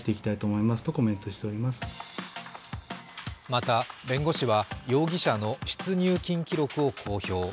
また弁護士は、容疑者の出入金記録を公表。